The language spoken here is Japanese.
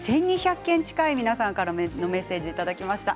１２００件近い皆さんからのメッセージいただきました。